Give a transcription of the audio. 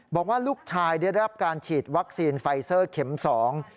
บอกว่าลูกชายได้รับการฉีดวัคซีนไฟซ่อเค็มที่๒